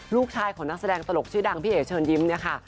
ลูกชายของนักแสดงตลกชื่อดังพี่เอ๋เชิญยิ้มเนี่ยค่ะ